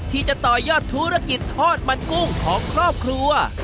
ที่จะต่อยอดธุรกิจทอดมันกุ้งของครอบครัว